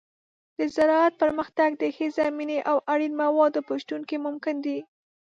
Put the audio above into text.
د زراعت پرمختګ د ښې زمینې او اړین موادو په شتون کې ممکن دی.